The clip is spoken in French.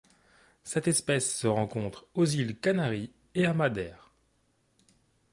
Cette espèce se rencontre aux îles Canaries et à Madère.